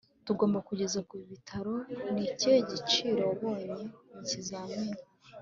tugomba kukugeza ku bitaro. ni ikihe cyiciro wabonye mu kizamini